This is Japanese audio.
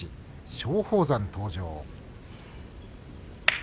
松鳳山、登場。